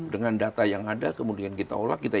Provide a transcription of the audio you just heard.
dengan data yang ada kemudian kita olah kita